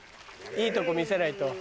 いいとこ見せないと。